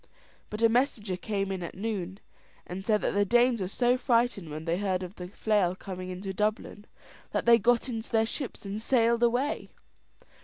But a messenger came in at noon, and said that the Danes were so frightened when they heard of the flail coming into Dublin, that they got into their ships, and sailed away.